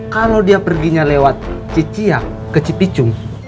kalau dia perginya lewat ciciak ke cipicung